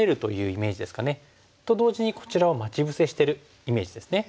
と同時にこちらを待ち伏せしてるイメージですね。